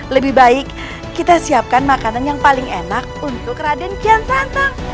lebih baik kita siapkan makanan yang paling enak untuk raden kian santang